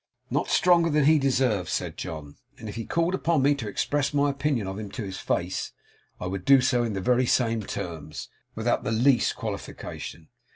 'Not stronger than he deserves,' said John; 'and if he called upon me to express my opinion of him to his face, I would do so in the very same terms, without the least qualification.